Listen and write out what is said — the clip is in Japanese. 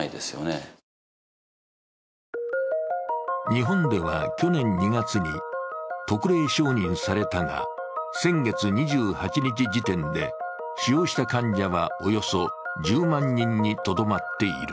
日本では去年２月に特例承認されたが、先月２８日時点で使用した患者はおよそ１０万人にとどまっている。